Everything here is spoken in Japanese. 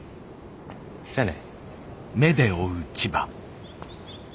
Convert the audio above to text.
じゃあね。